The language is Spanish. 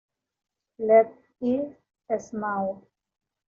Let it snow!